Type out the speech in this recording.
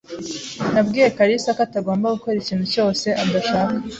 Nabwiye kalisa ko atagomba gukora ikintu cyose adashaka.